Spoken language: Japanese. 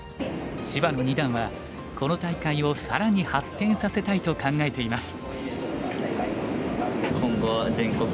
芝野二段はこの大会を更に発展させたいと考えています。